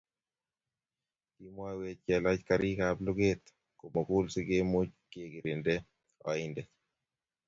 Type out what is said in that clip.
Kimowech kelach karikab luget komugul sikemuch kegirinde oindet